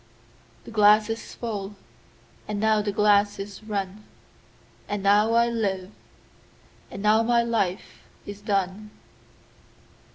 17The glass is full, and now the glass is run,18And now I live, and now my life is done.